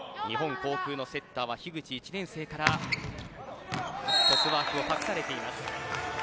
日本航空のセッターは樋口、１年生からトスワークを託されています。